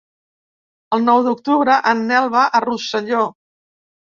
El nou d'octubre en Nel va a Rosselló.